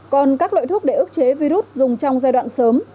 còn các loại thuốc để ức chế virus dùng trong giai đoạn sớm